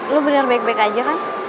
lo bener baik baik aja kan